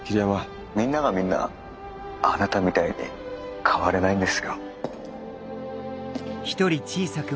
みんながみんなあなたみたいに変われないんですよ。